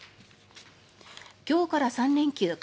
今日から３連休。